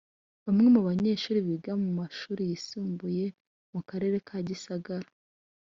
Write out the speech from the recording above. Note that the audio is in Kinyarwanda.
Bamwe mu banyeshuri biga mu mashuri yisumbuye mu Karere ka Gisagara